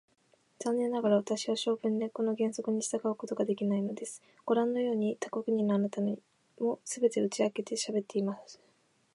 残念ながら、私は性分でこの原則に従うことができないのです。ごらんのように、他国者のあなたにも、すべて打ち明けてしゃべってしまいます。